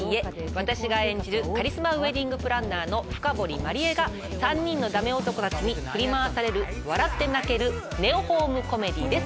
私が演じるカリスマウエディングプランナーの深堀万里江が３人のダメ男たちに振り回される笑って泣けるネオホームコメディーです。